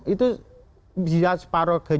itu bisa separoh kerajaan itu